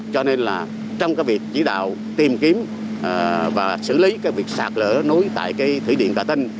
cho nên là trong cái việc chỉ đạo tìm kiếm và xử lý cái việc sạt lở núi tại cái thủy điện trà tinh